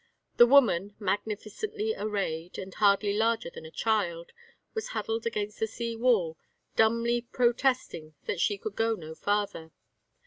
The woman, magnificently arrayed, and hardly larger than a child, was huddled against the sea wall, dumbly protesting that she could go no farther.